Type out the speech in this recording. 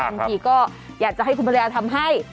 บางทีก็อยากจะให้คุณภรรยาทำให้